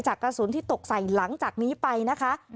กระสุนที่ตกใส่หลังจากนี้ไปนะคะ